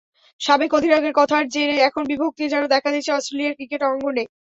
সাবেক অধিনায়কের কথার জেরে এখন বিভক্তিই যেন দেখা দিচ্ছে অস্ট্রেলিয়ার ক্রিকেট অঙ্গনে।